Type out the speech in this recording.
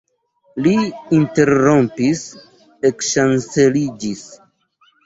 Li interrompis, ekŝanceliĝis.